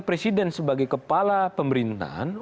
presiden sebagai kepala pemerintahan